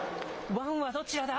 ワンはどちらだ？